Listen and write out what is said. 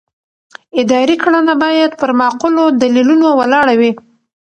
اداري کړنه باید پر معقولو دلیلونو ولاړه وي.